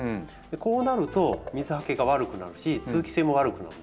こうなると水はけが悪くなるし通気性も悪くなるんですね。